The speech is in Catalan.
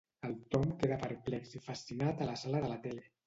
El Tom queda perplex i fascinat a la sala de la tele.